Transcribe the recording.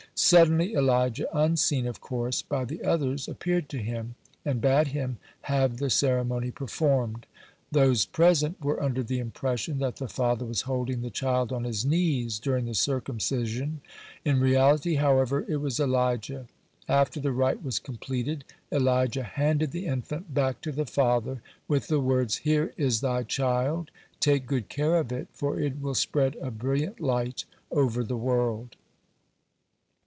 Suddenly, Elijah, unseen, of course, by the others, appeared to him, and bade him have the ceremony performed. Those present were under the impression that the father was holding the child on his knees during the circumcision; in reality, however it was Elijah. After the rite was completed, Elijah handed the infant back to the father with the words: "Here is thy child. Take good care of it, for it will spread a brilliant light over the world."